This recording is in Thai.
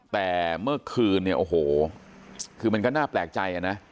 แต่เมื่อคืนเนี่ยโอ้โหคือมันก็น่าแปลกใจนะ